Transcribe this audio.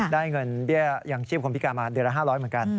ได้เงินเบี้ยยังชีพคนพิการมาเดือนละ๕๐๐เหมือนกัน